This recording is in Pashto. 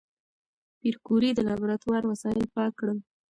پېیر کوري د لابراتوار وسایل پاک کړل.